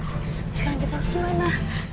bu sekarang kita harus kemana